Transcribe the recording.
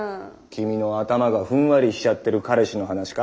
君の頭がふんわりしちゃってる彼氏の話か？